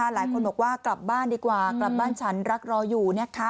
หลายคนบอกว่ากลับบ้านดีกว่ากลับบ้านฉันรักรออยู่